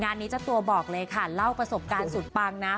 นี้เจ้าตัวบอกเลยค่ะเล่าประสบการณ์สุดปังนะ